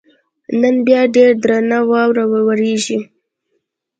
نن بیا ډېره درنه واوره ورېږي.